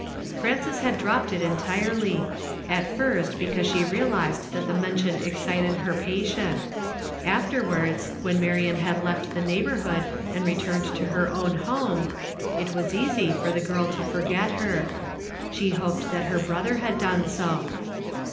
Frances had dropped it entirely; at first because she realizcnl that the mention excited her patient; afterwards, when Miriam had left the neighborhood and returned to her own home, it was easy for the girl to forget her; she hoped that her brother had done so.